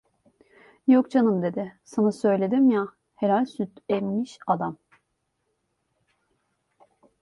Yok canım dedi, "sana söyledim ya, helal süt emmiş adam!"